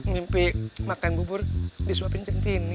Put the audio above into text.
bang pih makan bubur disuapin centini